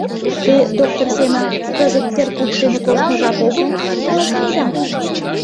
— Те доктор семын «Кызыт теркупш дене коштмо жап огыл» манын каласынеда мо?